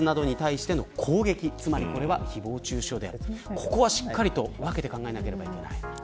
ここはしっかりと分けて考えなければいけない。